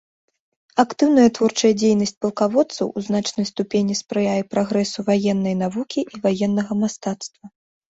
Актыўная творчая дзейнасць палкаводцаў у значнай ступені спрыяе прагрэсу ваеннай навукі і ваеннага мастацтва.